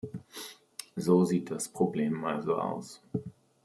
So sieht das Problem also aus.